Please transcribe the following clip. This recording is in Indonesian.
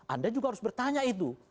anda juga harus bertanya itu